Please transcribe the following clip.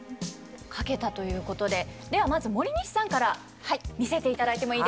書けたということでではまず森西さんから見せていただいてもいいですか？